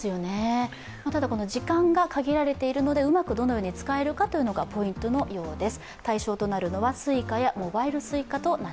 ただ時間が限られているので、うまくどのように使えるかがポイントのようです。